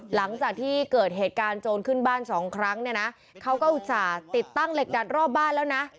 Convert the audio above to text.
หลังจากที่เกิดเหตุการณ์โจรขึ้นบ้านสองครั้งเนี่ยนะเขาก็อุตส่าห์ติดตั้งเหล็กดัดรอบบ้านแล้วนะ